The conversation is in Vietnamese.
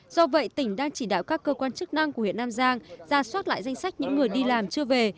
do vậy tỉnh đang chỉ đạo các cơ quan chức năng của huyện nam giang ra soát lại danh sách những người đi làm chưa về